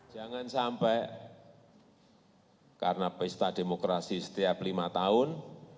jangan sampai karena pesta demokrasi setiap lima tahun